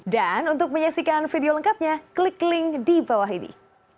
dan untuk menyaksikan video lengkapnya klik link di bawah ini